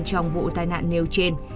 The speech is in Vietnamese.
trong vụ tai nạn nêu trên